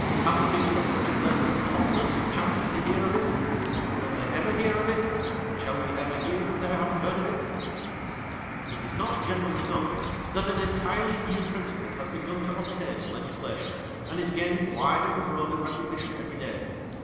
Have the people of such a place as TOTNES chanced to hear of it ? Or will they ever hear of it, and shall we ever hear of their having heard of it ] Charles Dickens.] IT IS NOT GENERALLY KNOWN. It is not generally known that an entirely new principle lias begun to obtain in legisla tion, and is gaining wider and broader recog nition every day.